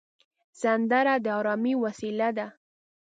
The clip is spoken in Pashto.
سندره د ارامۍ وسیله ده